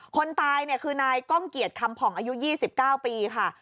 คนตายเนี่ยคือนายก้องเกียจคำผ่องอายุ๒๙ปีค่ะ